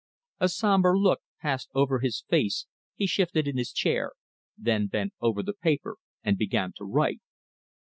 A sombre look passed over his face, he shifted in his chair, then bent over the paper and began to write.